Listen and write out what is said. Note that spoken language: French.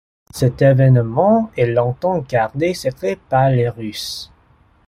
Cet évènement est longtemps gardé secret par les russes.